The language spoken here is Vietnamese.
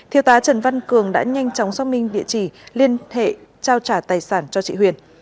thiếu tá trần văn cường đã nhanh chóng xót minh địa chỉ liên hệ trao trả tài sản cho chị huyền